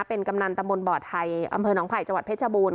เป็นกำนันตำบลบ่อไทยอำเภอหนองไผ่จังหวัดเพชรบูรณ